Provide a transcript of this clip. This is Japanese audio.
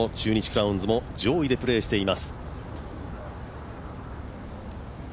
クラウンズも上位でプレーしています。